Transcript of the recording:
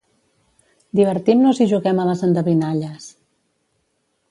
Divertim-nos i juguem a les endevinalles.